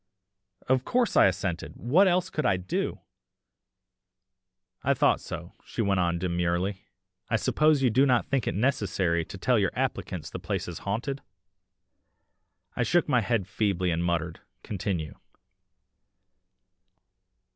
"Of course I assented what else could I do? "'I thought so,' she went on demurely, 'I suppose you do not think it necessary to tell your applicants the place is haunted?' "I shook my head feebly and muttered: 'Continue.